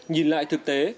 nhìn lại thực tế